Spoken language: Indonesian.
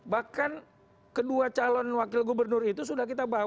bahkan kedua calon wakil gubernur itu sudah kita bawa